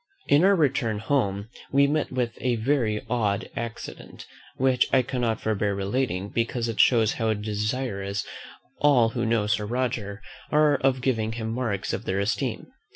In our return home we met with a very odd accident; which I cannot forbear relating, because it shews how desirous all who know Sir Roger are of giving him marks of their esteem.